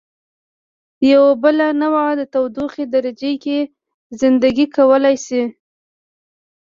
یوه بله نوعه د تودوخې درجې کې زنده ګي کولای شي.